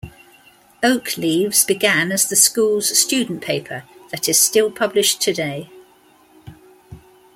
"Oak Leaves" began as the school's student paper that is still published today.